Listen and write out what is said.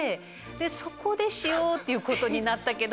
そこでしようっていうことになったけど。